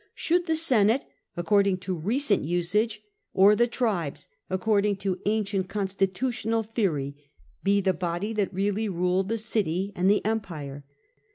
Should the Senate, according to recent usage, or the tribes, according to ancient constitutional theory, be the body that really ruled the city and the empire?